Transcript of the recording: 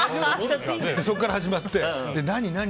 そこから始まって何？